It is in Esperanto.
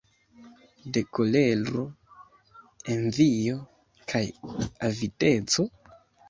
De kolero, envio kaj avideco?